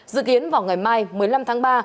dự kiến vào ngày mai một mươi năm tháng ba